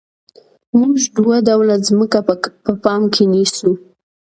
موږ دوه ډوله ځمکه په پام کې نیسو